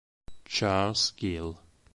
Charles Gill